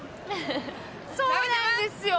そうなんですよ。